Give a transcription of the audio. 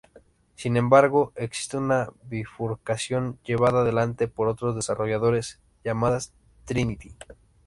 Sin embargo existe una bifurcación, llevada adelante por otros desarrolladores, llamada Trinity.